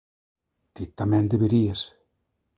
Ti tamén deberías.